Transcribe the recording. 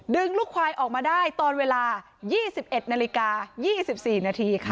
ลูกควายออกมาได้ตอนเวลา๒๑นาฬิกา๒๔นาทีค่ะ